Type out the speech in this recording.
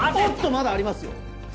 まだありますよ。